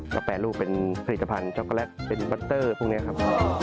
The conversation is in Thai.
ก็แปรรูปเป็นผลิตภัณฑ์ช็อกโกแลตเป็นบัตเตอร์พวกนี้ครับ